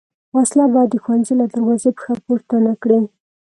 وسله باید د ښوونځي له دروازې پښه پورته نه کړي